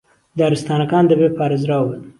دارستانەکان دەبێ پارێزراو بن